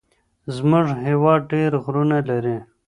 زمونږ هيواد ډير غرونه لري.